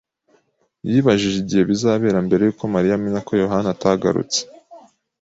yibajije igihe bizabera mbere yuko Mariya amenya ko Yohana atagarutse.